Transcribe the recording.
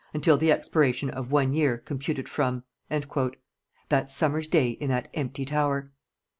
until the expiration of one year computed from " that summer's day in that empty tower!